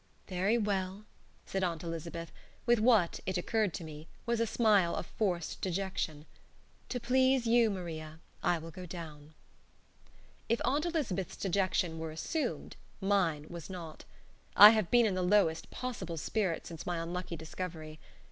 "Very well," said Aunt Elizabeth, with what (it occurred to me) was a smile of forced dejection. "To please you, Maria, I will go down." If Aunt Elizabeth's dejection were assumed, mine was not. I have been in the lowest possible spirits since my unlucky discovery.